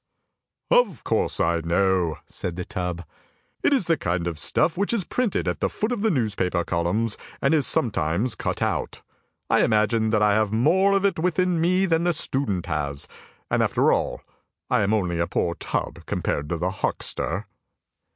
"" Of course I know," said the tub; " it is the kind of stuff which is printed at the foot of the newspaper columns, and is sometimes cut out. I imagine that I have more of it within me than the student has, and after all I am only a poor tub compared to the huckster."